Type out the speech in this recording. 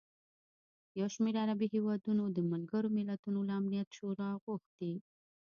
یوشمېر عربي هېوادونو د ملګروملتونو له امنیت شورا غوښتي